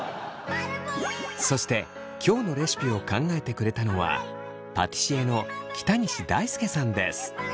そして今日のレシピを考えてくれたのはパティシエの北西大輔さんです。